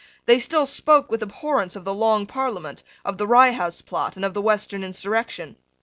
They still spoke with abhorrence of the Long Parliament, of the Rye House Plot, and of the Western insurrection.